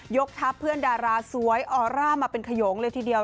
กทับเพื่อนดาราสวยออร่ามาเป็นขยงเลยทีเดียว